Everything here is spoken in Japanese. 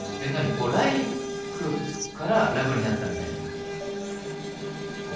こうライクからラブになったみたいな？